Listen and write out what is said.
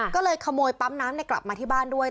ก็เลยขโมยปั๊มน้ำกลับมาที่บ้านด้วย